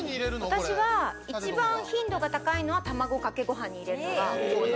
一番頻度が高いのは卵かけご飯に入れるのが。